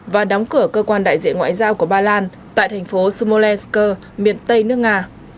và đóng cửa cơ quan đại diện ngoại giao của ba lan tại thành phố smolensk miền tây nước nga